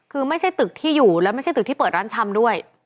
คือไม่ใช่ตึกที่อยู่และไม่ใช่ตึกที่เปิดร้านชำด้วย